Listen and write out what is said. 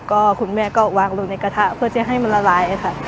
ก็คุณแม่ก็วางลงในกระทะเพื่อจะให้มันละลายค่ะ